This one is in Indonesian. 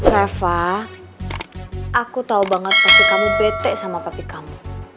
reva aku tau banget pasti kamu bete sama papi kamu